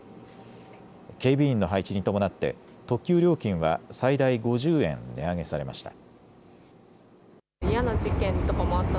警備員の配置に伴って特急料金は最大５０円値上げされました。